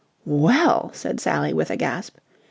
"Well!" said Sally with a gasp.